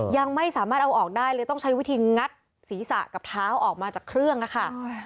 ยังไม่สามารถเอาออกได้เลยต้องใช้วิธีงัดศีรษะกับเท้าออกมาจากเครื่องนะคะ